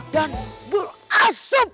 dan bulu asap